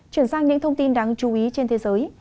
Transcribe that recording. chuyển sang những thông tin đáng chú ý trên thế giới